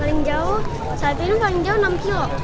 paling jauh saat ini paling jauh enam kilo